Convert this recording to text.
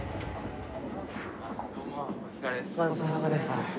お疲れさまです。